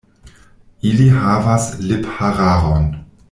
Ili havas liphararon.